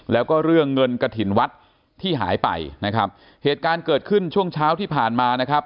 แล้วก็เรื่องเงินกระถิ่นวัดที่หายไปนะครับเหตุการณ์เกิดขึ้นช่วงเช้าที่ผ่านมานะครับ